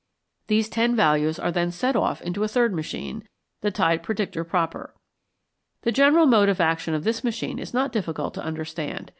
These ten values are then set off into a third machine, the tide predicter proper. The general mode of action of this machine is not difficult to understand.